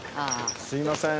すいません。